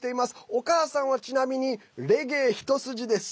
お母さんは、ちなみにレゲエひと筋です。